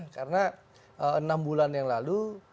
karena enam bulan yang lalu